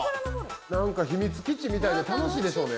何か秘密基地みたいで楽しいでしょうね。